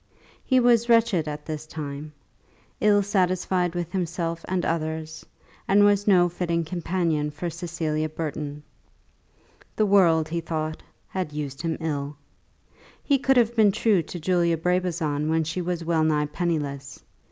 He was wretched at this time, ill satisfied with himself and others, and was no fitting companion for Cecilia Burton. The world, he thought, had used him ill. He could have been true to Julia Brabazon when she was well nigh penniless.